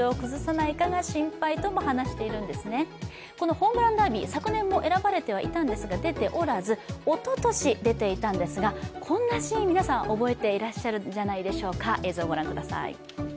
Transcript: ホームランダービー、昨年も選ばれてはいたんですが、出ておらず、おととし出ていたんですが、こんなシーン覚えていらっしゃるんじゃないでしょうか。